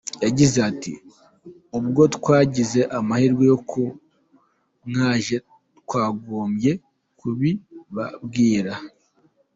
Yagize ati “Ubwo twagize amahirwe y’ uko mwaje twagombye kubibabwira.